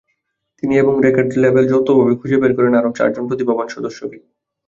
তিনি এবং record label যৌথভাবে খুঁজে বের করেন আরও চারজন প্রতিভাবান সদস্যকে।